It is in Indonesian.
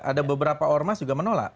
ada beberapa ormas juga menolak